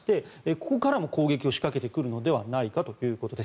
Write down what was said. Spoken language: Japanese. ここからも攻撃を仕掛けてくるのではないかということです。